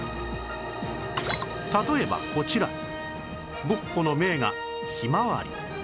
例えばこちらゴッホの名画『ひまわり』